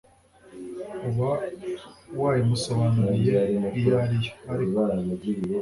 uba wayimusobanuriye iyo ariyo.ark”